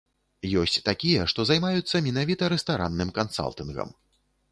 Ёсць такія, што займаюцца менавіта рэстаранным кансалтынгам.